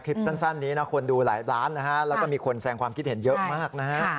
คลิปสั้นนี้ควรดูหลายล้านแล้วก็มีคนแทนความคิดเห็นเยอะมาก